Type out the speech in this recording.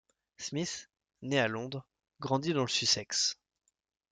Smith, né à Londres, grandit dans le Sussex.